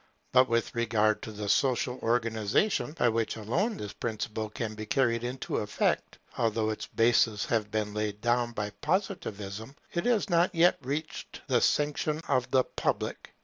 But with regard to the social organization, by which alone this principle can be carried into effect, although its basis has been laid down by Positivism, it has not yet received the sanction of the Public.